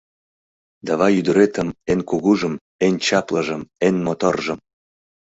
Давай ӱдыретым, эн кугужым, эн чаплыжым, эн моторжым!